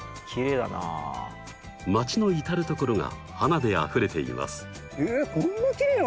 街の至る所が花であふれています。